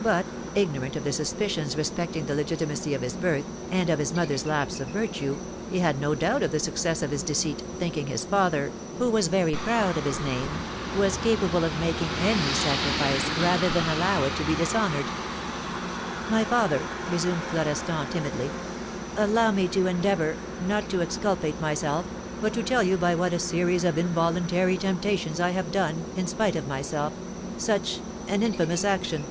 But, ignorant of the suspicions respecting the legitimacy of his birth, and of his mother's lapse of virtue, he had no doubt of the success of his deceit, thinking his father, who was very proud of his name, was capable of making any sacrifice rather than allow it to be dishonoured. "My father," resumed Florestan, timidly, "allow me to endeavour, not to exculpate myself, but to tell you by what a series of involuntary temptations I have done, in spite of myself, such an infamous action."